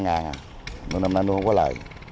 năm nay nuôi cá này không có lợi